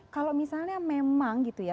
kalau misalnya memang gitu ya